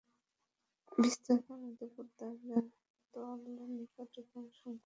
বস্তৃত আমাদের প্রত্যাবর্তন তো আল্লাহর নিকট এবং সীমালংঘনকারীরাই জাহান্নামের অধিবাসী।